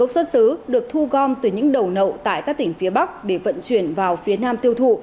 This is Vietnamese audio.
xuất xứ được thu gom từ những đầu nậu tại các tỉnh phía bắc để vận chuyển vào phía nam tiêu thụ